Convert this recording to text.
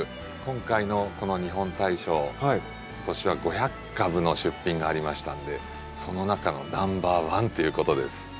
今回のこの「日本大賞」今年は５００株の出品がありましたんでその中のナンバーワンということです。